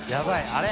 あれ？